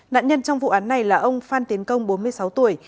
nạn nhân trong vụ án này là ông phan tiến công bốn mươi sáu tuổi